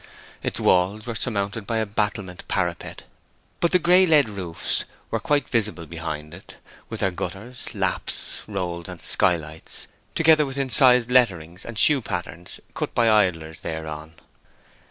Its walls were surmounted by a battlemented parapet; but the gray lead roofs were quite visible behind it, with their gutters, laps, rolls, and skylights, together with incised letterings and shoe patterns cut by idlers thereon.